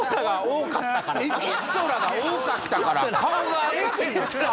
エキストラが多かったから顔が赤くなった。